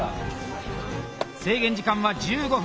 制限時間は１５分！